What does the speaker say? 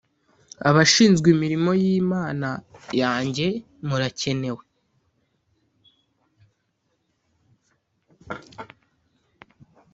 abashinzwe imirimo y’Imana yanjye murakenewe